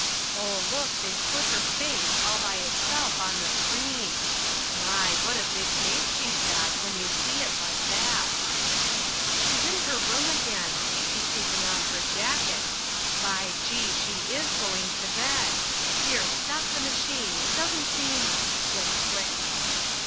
Oh, look, they've put her face, all by itself, on the screen. My! what a big face she's got when you see it like that. She's in her room again she's taking off her jacket by Gee! She is going to bed! Here, stop the machine; it doesn't seem Flick, flick!